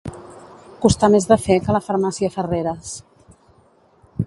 Costar més de fer que la farmàcia Ferreres.